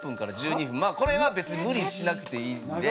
まあこれは別に無理しなくていいんで。